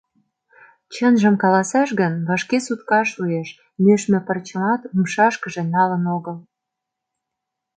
Чынжым каласаш гын, вашке сутка шуэш — нӧшмӧ пырчымат умшашкыже налын огыл.